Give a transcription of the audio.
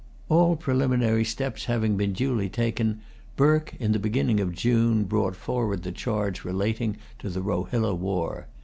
All preliminary steps having been duly taken, Burke, in the beginning of June, brought forward the charge relating to the Rohilla war.